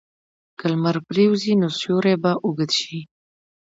که لمر پرېوځي، نو سیوری به اوږد شي.